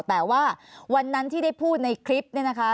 แต่ว่าวันนั้นที่ได้พูดในคลิปเนี่ยนะคะ